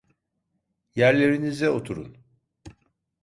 Yerlerinize oturun.